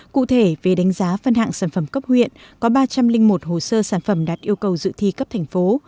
cụ thể về đánh giá phân hạng sản phẩm cấp huyện có ba trăm linh một hồ sơ sản phẩm đạt yêu cầu dự thi cấp thành phố